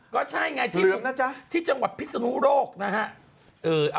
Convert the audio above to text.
ก็ใช่ไงที่จังหวัดพิศนุโลกนะฮะ